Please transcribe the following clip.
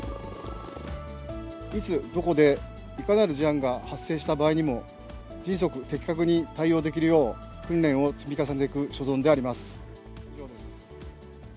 いつどこで、いかなる事案が発生した場合でも、迅速、的確に対応できるよう、訓練を積み重ねていく所存であります。